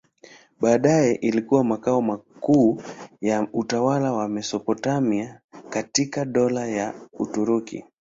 Baadaye ilikuwa makao makuu ya utawala wa Mesopotamia katika Dola la Uturuki.